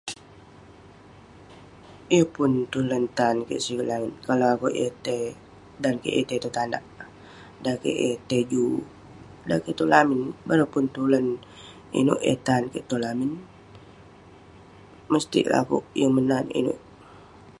Yeng pun tulan tan kik siget langit kalau akouk yeng tai- dan kik yeng tai tong tanak, dan kik yeng tai juk. Dan kik tong lamin, bareng pun tulan inouk eh tan kik tong lamin. Mestik lah akouk yeng menat inouk.